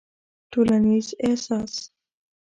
ټولنيز احساس